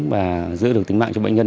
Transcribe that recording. và giữ được tính mạng cho bệnh nhân